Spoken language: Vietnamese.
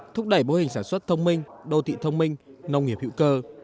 thúc đẩy mô hình sản xuất thông minh đô thị thông minh nông nghiệp hữu cơ